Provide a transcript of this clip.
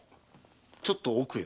ちょっと奥へ。